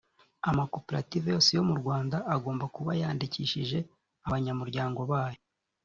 amakoperative yose yo rwanda agomba kuba yandikishije abanyamuryango bayo